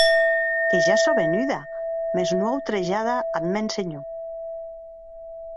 Que ja sò venuda, mès non autrejada ath mèn senhor.